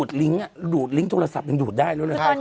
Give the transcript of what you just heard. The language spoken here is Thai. แค่ดูดลิงก์ทุราศัพทร์มันยุดได้